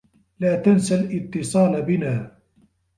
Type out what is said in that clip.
لا تنس الاتّصال بنا.